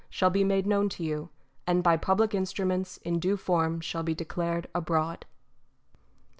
shall be made known to you, and by public instruments in due form shall be declared abroad.